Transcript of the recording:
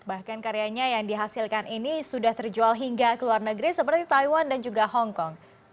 bahkan karyanya yang dihasilkan ini sudah terjual hingga ke luar negeri seperti taiwan dan juga hongkong